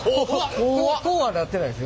こうはなってないですよ。